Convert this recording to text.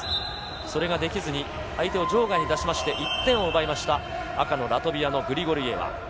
それができずに相手を場外に出しまして１点を奪いました赤のグリゴルイエワ。